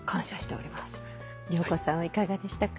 良子さんはいかがでしたか？